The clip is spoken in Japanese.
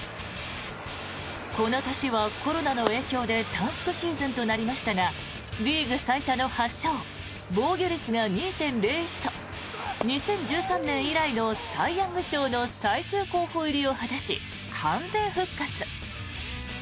この年はコロナの影響で短縮シーズンとなりましたがリーグ最多の８勝防御率が２．０１と２０１３年以来のサイ・ヤング賞の最終候補入りを果たし完全復活。